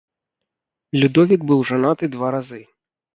Людовік быў жанаты два разы.